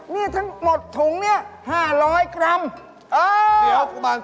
นี่ทั้งหมดถุงเนี่ย๕๐๐กรัม